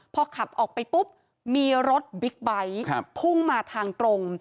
พอขับออกไปปุ๊บมีรถบิ๊กไบท์พุ่งมาทางตรง